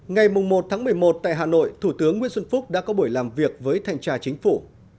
ngày một một mươi một tại hà nội thủ tướng nguyễn xuân phúc đã có buổi làm việc với thanh tra chính phủ